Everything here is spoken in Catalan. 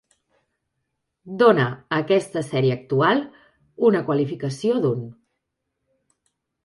Dona a aquesta sèrie actual una qualificació d'un.